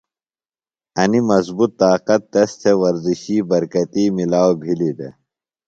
انیۡ مضبوط طاقت تس تھےۡ ورزشی برکتی ملاؤ بِھلیۡ دےۡ۔